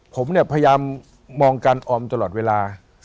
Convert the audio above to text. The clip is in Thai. ผมเนี่ยพยายามมองการออมตลอดเวลา